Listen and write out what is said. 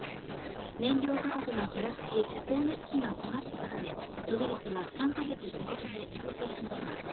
燃料価格が下落し、光熱費が下がったことで伸び率は３か月続けて縮小しました。